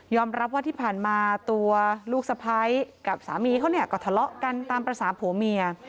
รับว่าที่ผ่านมาตัวลูกสะพ้ายกับสามีเขาเนี่ยก็ทะเลาะกันตามภาษาผัวเมีย